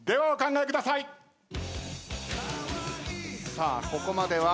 さあここまでは。